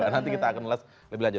nanti kita akan ulas lebih lanjut